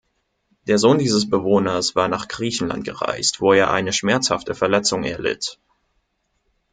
Der Sohn dieses Bewohners war nach Griechenland gereist, wo er eine schmerzhafte Verletzung erlitt.